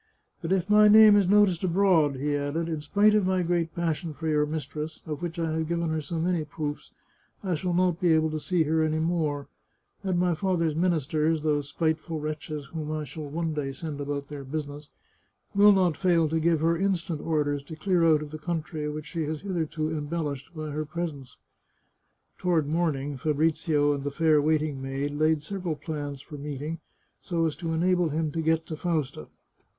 " But if my name is noised abroad," he added, " in spite of my great passion for your mistress, of which I have given her so many proofs, I shall not be able to see her any more ; and my father's ministers, those spiteful wretches whom I shall one day send about their business, will not fail to give her instant orders to clear out of the country which she has hitherto embellished by her presence." Toward morning, Fabrizio and the fair waiting maid laid several plans for meeting, so as to enable him to get to Fausta.